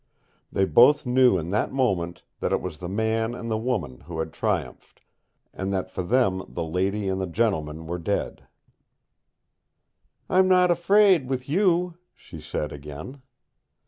They both knew in that moment that it was the man and the woman who had triumphed, and that for them the lady and the gentleman were dead. "I'm not afraid with you," she said again.